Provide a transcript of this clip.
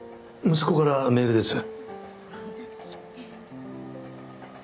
息子からメールです。